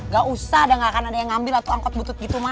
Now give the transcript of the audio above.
ga usah dah ga akan ada yang ngambil atau angkot butut gitu ma